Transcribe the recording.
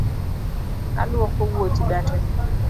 Alwoko wuoch ga tee